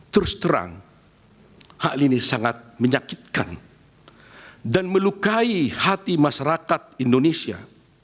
terus terang hal ini sangat menyakitkan dan melukai hati masyarakat indonesia